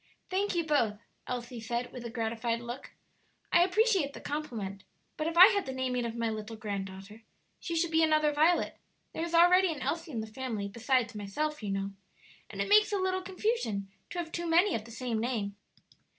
"Thank you both," Elsie said, with a gratified look; "I appreciate the compliment; but if I had the naming of my little granddaughter, she should be another Violet; there is already an Elsie in the family besides myself, you know, and it makes a little confusion to have too many of the same name."